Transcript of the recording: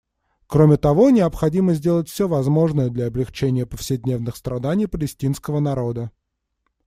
Кроме того, необходимо сделать все возможное для облегчения повседневных страданий палестинского народа.